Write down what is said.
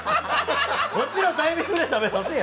こっちのタイミングで食べさせよ。